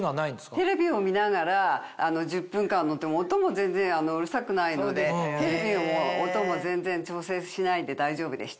テレビを見ながら１０分間乗っても音も全然うるさくないのでテレビの音も全然調節しないで大丈夫でした。